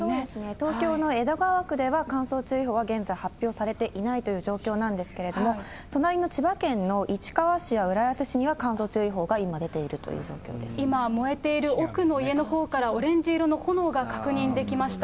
東京の江戸川区では、乾燥注意報は現在、発表されていないという状況なんですけれども、隣の千葉県の市川市や浦安市には乾燥注意報が今、今、燃えている奥の家のほうから、オレンジ色の炎が確認できました。